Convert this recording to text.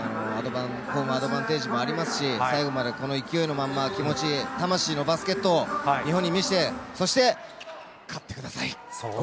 ホームアドバンテージもありますし、最後までこの勢いのまんま、気持ち、魂のバスケットを日本にみして、そして勝ってください。